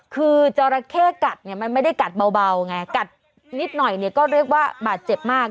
คือจราเข้กัดเนี่ยมันไม่ได้กัดเบาไงกัดนิดหน่อยเนี่ยก็เรียกว่าบาดเจ็บมาก